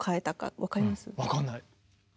分かんない。